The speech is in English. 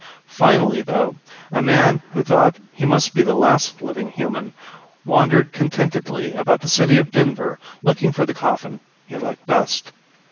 Finally, though, a man who thought he must be the last living human, wandered contentedly about the city of Denver looking for the coffin he liked best.